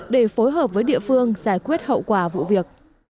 để phối hợp với địa phương giải quyết hậu quả vụ việc